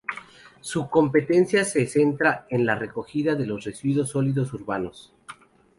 Su competencia se centra en la recogida de los residuos sólidos urbanos.